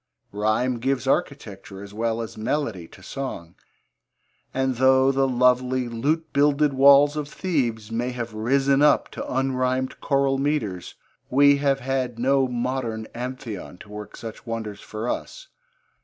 Rhyme gives architecture as well as melody to song, and though the lovely lute builded walls of Thebes may have risen up to unrhymed choral metres, we have had no modern Amphion to work such wonders for us.